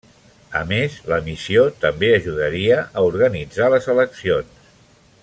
A més, la missió també ajudaria a organitzar les eleccions.